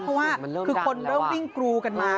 เพราะว่าคือคนเริ่มวิ่งกรูกันมา